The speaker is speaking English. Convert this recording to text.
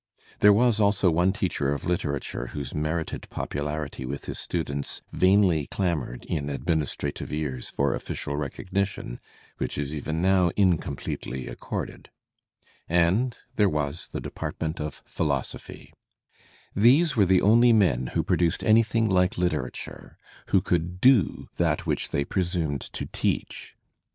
There was also one teacher of literatiu e whbse merited popularity with his students vainly clamoured in administrative ears for official recognition, which is even now incompletely accorded. And there was the department of philosophy. Digitized by Google WILLIAM JAMES £99 These were the only men who produced anything like litera ture, who could do that which they presumed to teach.